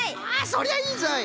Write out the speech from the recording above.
そりゃいいぞい！